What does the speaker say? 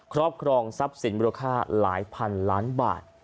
ครอบครองทรัพย์สินมูลค่าหลายพันล้านบาท